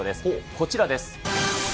こちらです。